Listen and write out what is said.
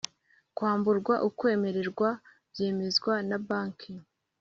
Kwamburwa ukwemererwa byemezwa na Banki